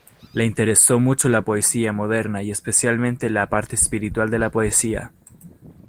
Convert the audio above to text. Le interesó mucho la poesía moderna y especialmente la parte espiritual de la poesía.